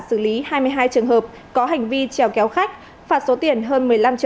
xử lý hai mươi hai trường hợp có hành vi treo kéo khách